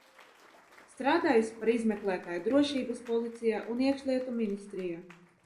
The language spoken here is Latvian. Strādājusi par izmeklētāju Drošības policijā un Iekšlietu ministrijā.